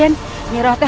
makan nyiroh ya raden